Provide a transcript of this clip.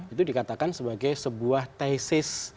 itu dikatakan sebagai sebuah tesis